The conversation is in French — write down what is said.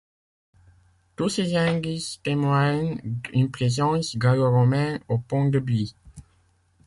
Tous ces indices témoignent d'une présence gallo-romaine au Pont-de-Buis.